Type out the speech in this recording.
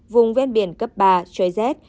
vùng vét biển cấp ba trời rét